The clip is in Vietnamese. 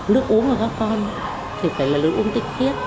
nước uống của các con thì phải là nước uống tích